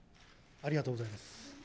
ありがとうございます。